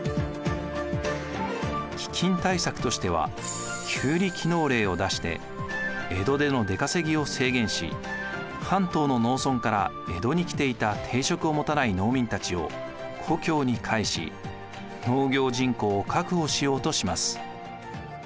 飢饉対策としては旧里帰農令を出して江戸での出稼ぎを制限し関東の農村から江戸に来ていた定職を持たない農民たちを故郷に帰し農業人口を確保しようとします。